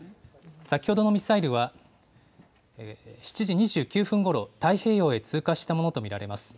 先ほどのミサイルは、７時２９分ごろ、太平洋へ通過したものと見られます。